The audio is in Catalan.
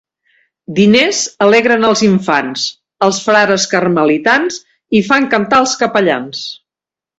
Diners alegren els infants, els frares carmelitans i fan cantar els capellans.